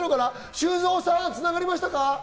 修造さん繋がりましたか？